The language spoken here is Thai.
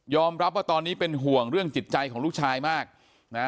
ว่าตอนนี้เป็นห่วงเรื่องจิตใจของลูกชายมากนะ